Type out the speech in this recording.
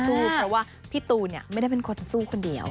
แต่ว่าพี่ตูนเนี่ยไม่ได้เป็นคนสู้คนเดียว